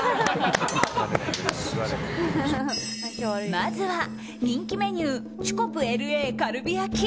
まずは人気メニューチュコプＬＡカルビ焼。